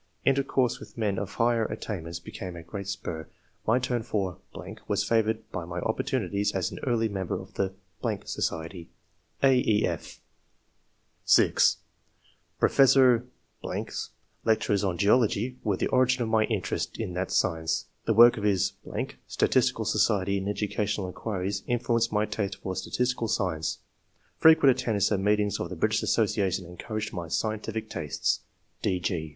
Intercourse with men of higher attain ments became a great spur ; my turn for .... was favoured by my opportunities as an early member of the .... Society." (a, c,/) (6) Professor .... 's lectures on geology were the origin of my interest in that science ; the work of the .... statistical society in educa tional inquiries influenced my taste for statistical science ; frequent attendance at meetings of the British Association encouraged my scientific tastes."